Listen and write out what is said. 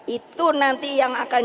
itu nanti yang akan